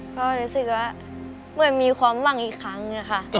ก็รู้สึกว่าเหมือนมีความหวังอีกครั้งค่ะ